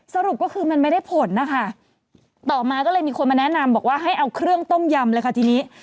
สรุปก็คือมันไม่ได้ผลนะคะต่อมาก็เลยมีคนมาแนะนำบอกว่าให้เอาเครื่องต้มยำเลยค่ะทีนี้